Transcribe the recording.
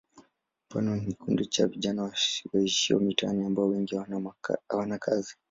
Mfano ni kikundi cha vijana waishio mitaani ambao wengi hawana kazi.